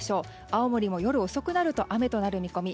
青森も夜遅くなると雨となる見込み。